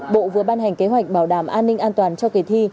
bộ vừa ban hành kế hoạch bảo đảm an ninh an toàn cho kỳ thi